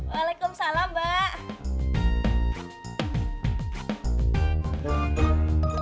wa'alaikum salam mbak